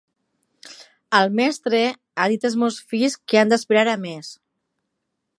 El mestre ha dit als meus fills que han d'aspirar a més.